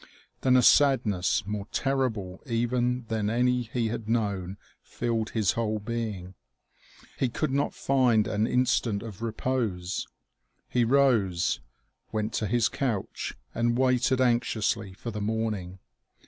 Then a sadness more terrible even than any he had known filled his whole being. He could not find an instant of repose. He rose, went to his couch, and waited anxiously for the morning.